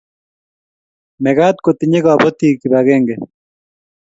mekat kotinye kabotik kibagenge